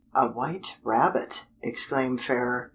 "A white rabbit!" exclaimed Fairer.